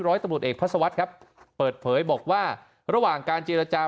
ร้อยตำรวจเอกพัศวรรษครับเปิดเผยบอกว่าระหว่างการเจรจา